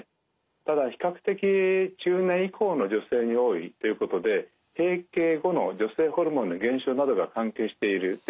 ただ比較的中年以降の女性に多いということで閉経後の女性ホルモンの減少などが関係しているというふうに考えられます。